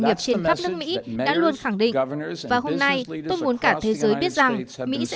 nghiệp trên khắp nước mỹ đã luôn khẳng định và hôm nay tôi muốn cả thế giới biết rằng mỹ sẽ